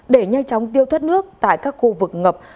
để nhanh chóng tiêu thoát nước tại các khu vực ngập